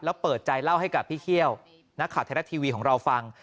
แล้วเปิดใจเล่าให้กับพี่เคี่ยวนักข่าวไทยรัฐทีวีของเราฟัง